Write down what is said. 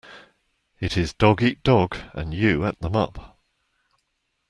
It is dog eat dog, and you ate them up.